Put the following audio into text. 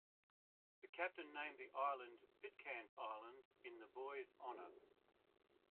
The captain named the island Pitcairn's Island in the boy's honour.